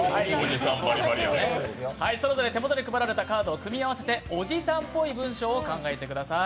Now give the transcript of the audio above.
それぞれ手元に配られたカードを組み合わせておじさんっぽい文章を考えてください。